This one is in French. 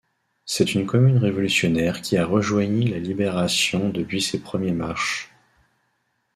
C'est une commune révolutionnaire qui a rejoignit la libération depuis ses premiers marches.